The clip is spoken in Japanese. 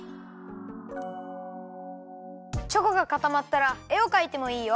チョコがかたまったらえをかいてもいいよ。